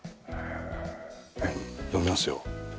ええ読みますよ。